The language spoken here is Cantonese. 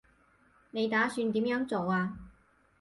你打算點樣做啊